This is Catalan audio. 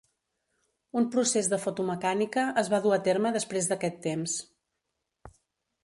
Un procés de fotomecànica es va dur a terme després d'aquest temps.